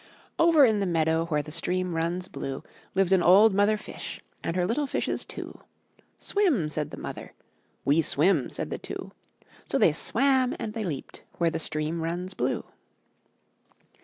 Over in the meadow. Where the stream runs blue, Lived an old mother fish And her little fishes two. "Swim,'' said the mother; ''We swim," said the two; So they swam and they leaped Where the stream runs blue.